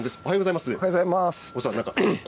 おはようございます。